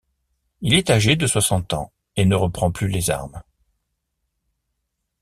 Il est âgé de soixante ans et ne reprend plus les armes.